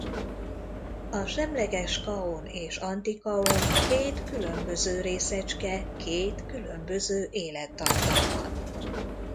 A semleges kaon és antikaon két különböző részecske két különböző élettartammal.